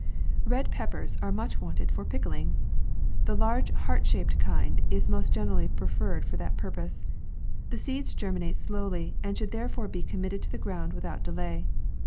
RED PEPPERS are much wanted for pickling. The large heart shaped kind is most generally prefer red for that purpose. The seeds germinate slowly, and should therefore be committed to the ground without delay.